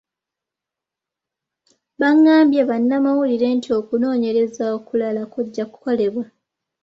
Baagambye bannamawulire nti okunoonyereza okulala kujja kukolebwa.